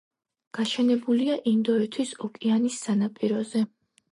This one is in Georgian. გაშენებულია ინდოეთის ოკეანის სანაპიროზე.